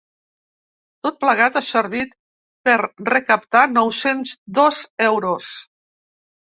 Tot plegat ha servit per recaptar nou-cents dos euros.